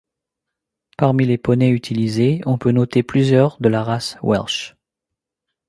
Parmi les poneys utilisés, on peut noter plusieurs de la race Welsh.